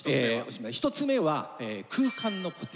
１つ目は空間の固定。